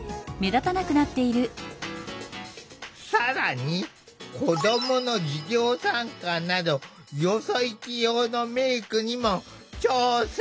更に子どもの授業参観などよそ行き用のメークにも挑戦。